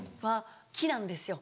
木なんですよ